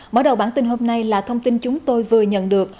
mở đầu bản tin hôm nay là thông tin chúng tôi vừa nhận được